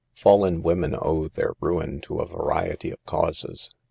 Fallen women owe their ruin to a variety of causes.